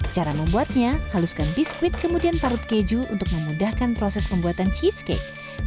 cara membuatnya haluskan biskuit kemudian parut keju untuk memudahkan proses pembuatan cheesecake